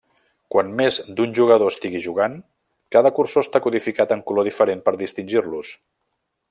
Quan més d'un jugador estigui jugant, cada cursor està codificat en color diferent per distingir-los.